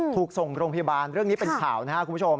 ถูกส่งโรงพยาบาลเรื่องนี้เป็นข่าวนะครับคุณผู้ชม